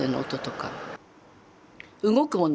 動くもの